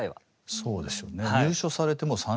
そうですね。